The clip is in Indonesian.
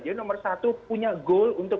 jadi nomor satu punya goal untuk